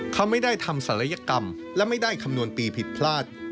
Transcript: เขาไม่ได้ทำศัลยกรรมและไม่ได้คำนวณปีผิดพลาด